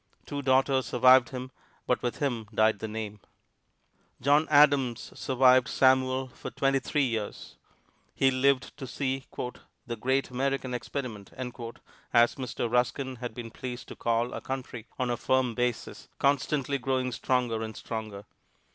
Two daughters survived him, but with him died the name. John Adams survived Samuel for twenty three years. He lived to see "the great American experiment," as Mr. Ruskin has been pleased to call our country, on a firm basis, constantly growing stronger and stronger.